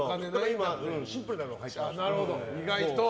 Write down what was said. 今はシンプルなのをはいてます。